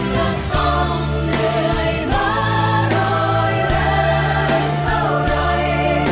จะต้องเหนื่อยมารอยแรงเท่าไร